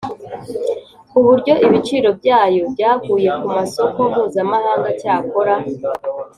ku buryo ibiciro byayo byaguye ku masoko mpuzamahanga. cyakora